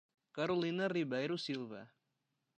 Carolina Ribeiro Silva